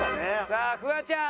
さあフワちゃん。